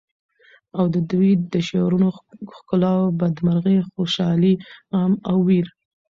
او ددوی د شعرونو د ښکلاوو بد مرغي، خوشالی، غم او وېر